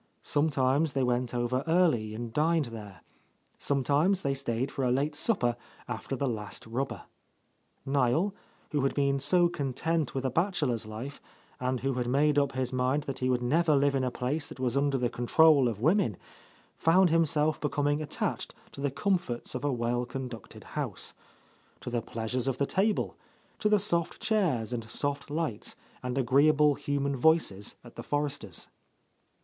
Sometimes they went over early and dined there. Sometimes they stayed for a late supper after the last rubber. Niel, who had been so content with a bachelor's life, and who had made up his mind that he would never live in a place that was under the control of women, found himself becoming attached to the comforts of a well conducted house; to the pleasures of the table, to the soft chairs and soft lights and agreeable human voices at the Forresters'.